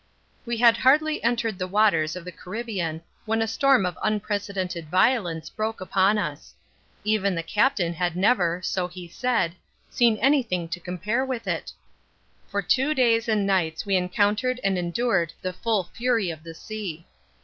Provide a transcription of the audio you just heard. We had hardly entered the waters of the Caribbean when a storm of unprecedented violence broke upon us. Even the Captain had never, so he said, seen anything to compare with it. For two days and nights we encountered and endured the full fury of the sea.